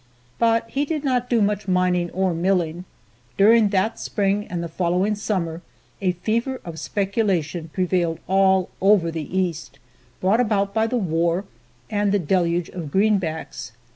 But he did not do much mining or milling. During that spring and the following summer a fever of speculation prevailed all over the East, brought about by the war and the deluge of greenbacks.